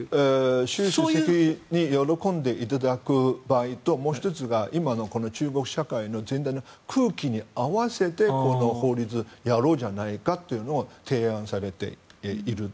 習主席に喜んでいただく場合ともう１つが今の中国社会全体の空気に合わせてこの法律やろうじゃないかというのを提案されていると。